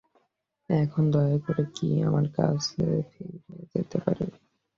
এখন দয়া করে কি আমার কাজে ফিরে যেতে পারি?